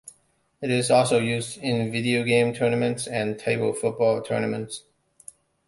It is also used in video game tournaments and table football tournaments.